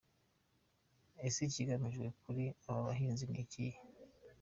Ese ikigamijwe kuri aba bahinzi ari ikihe?